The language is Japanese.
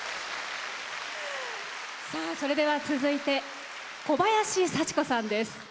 それでは続いて小林幸子さんです。